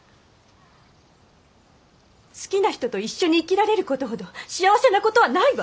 好きな人と一緒に生きられる事ほど幸せな事はないわ！